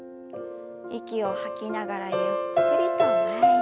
息を吐きながらゆっくりと前に。